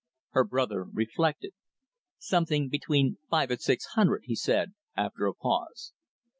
Her brother reflected. "Something between five and six hundred," he said, after a pause.